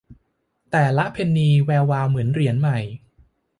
แต่ละเพนนีแวววาวเหมือนเหรียญใหม่